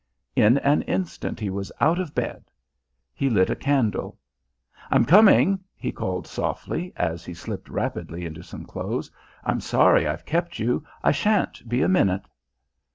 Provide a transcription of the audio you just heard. In an instant he was out of bed. He lit a candle. "I'm coming," he called softly, as he slipped rapidly into some clothes. "I'm sorry I've kept you. I shan't be a minute."